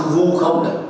hư không này